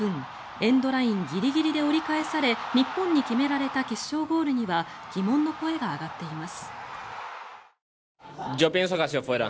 エンドラインギリギリで折り返され日本に決められた決勝ゴールには疑問の声が上がっています。